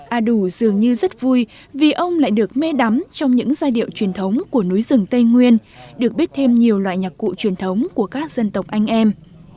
a đủ dường như rất vui vì ông lại được mê đắm trong những giai điệu truyền thống của núi rừng tây nguyên được biết thêm nhiều loại nhạc cụ truyền thống của các dân tộc anh em